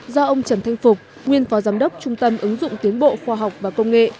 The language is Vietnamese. do ông trần thanh phục nguyên phó giám đốc trung tâm ứng dụng tiến bộ khoa học và công nghệ